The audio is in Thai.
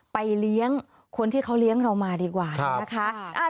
เลี้ยงคนที่เขาเลี้ยงเรามาดีกว่านะคะ